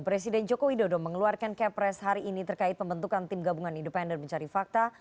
presiden joko widodo mengeluarkan kepres hari ini terkait pembentukan tim gabungan independen mencari fakta